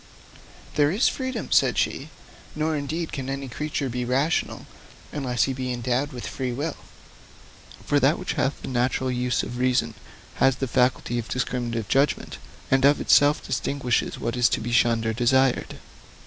'There is freedom,' said she; 'nor, indeed, can any creature be rational, unless he be endowed with free will. For that which hath the natural use of reason has the faculty of discriminative judgment, and of itself distinguishes what is to be shunned or desired.